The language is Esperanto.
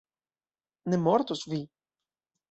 Ne mortos vi.